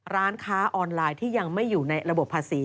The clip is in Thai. ร้านค้าออนไลน์ที่ยังไม่อยู่ในระบบภาษี